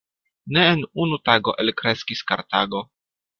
Ne en unu tago elkreskis Kartago.